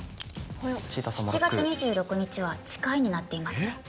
７月２６日は「ちかい」になっていますね。